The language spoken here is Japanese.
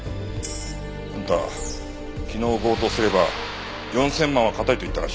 あんた昨日強盗すれば４０００万は堅いと言ったらしいな。